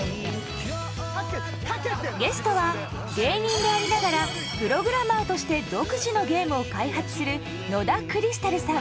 ゲストは芸人でありながらプログラマーとして独自のゲームを開発する野田クリスタルさん。